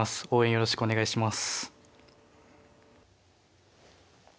よろしくお願いします。